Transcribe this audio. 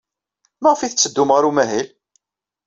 Maɣef ay tetteddum ɣer umahil?